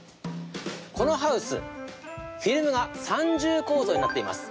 このハウス、フィルムが三重構造になっています。